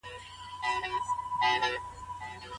ولي بايد د ګناهونو زمينه چا ته برابره نه کړو؟